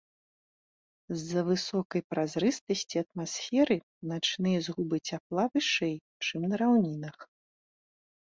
З-за высокай празрыстасці атмасферы начныя згубы цяпла вышэй, чым на раўнінах.